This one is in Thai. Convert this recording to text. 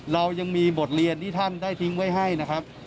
เรายังมีบทเรียนที่ท่านได้ทิ้งไว้ให้นะครับ